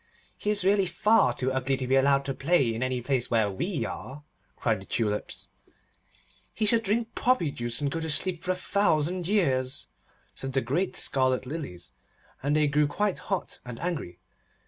'He is really far too ugly to be allowed to play in any place where we are,' cried the Tulips. 'He should drink poppy juice, and go to sleep for a thousand years,' said the great scarlet Lilies, and they grew quite hot and angry.